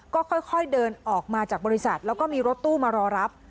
ก็ค่อยเดินออกมาจากบริษัทแล้วก็มีรถตู้มารอรับ